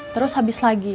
terus habis lagi